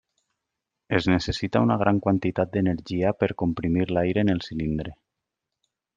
Es necessita una gran quantitat d'energia per comprimir l'aire en el cilindre.